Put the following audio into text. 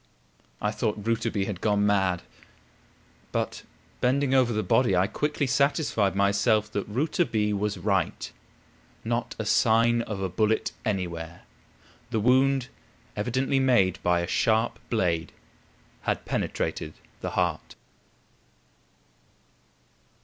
I thought Rouletabille had gone mad; but, bending over the body, I quickly satisfied myself that Rouletabille was right. Not a sign of a bullet anywhere the wound, evidently made by a sharp blade, had penetrated the heart.